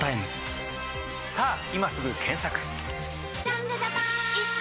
さぁ今すぐ検索！